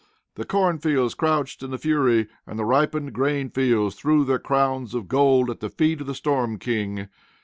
The corn fields crouched in the fury, and the ripened grain fields threw their crowns of gold at the feet of the storm king.